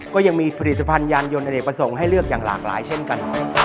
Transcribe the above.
ก็ยังมีผลิตภัณฑยานยนต์อเนกประสงค์ให้เลือกอย่างหลากหลายเช่นกัน